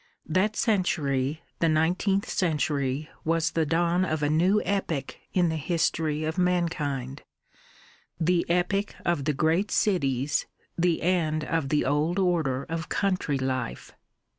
That century, the nineteenth century, was the dawn of a new epoch in the history of mankind the epoch of the great cities, the end of the old order of country life.